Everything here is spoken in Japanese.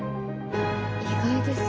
意外です。